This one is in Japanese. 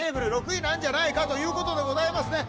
６位なんじゃないかということでございますね